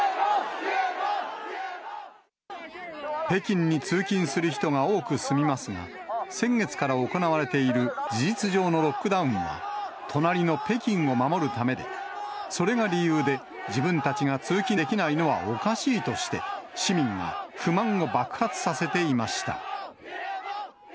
北京に通勤する人が多く住みますが、先月から行われている事実上のロックダウンは、隣の北京を守るためで、それが理由で自分たちが通勤できないのはおかしいとして、市民が不満を爆発させていました。